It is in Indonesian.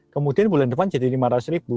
kemudian bulan depan jadi rp lima ratus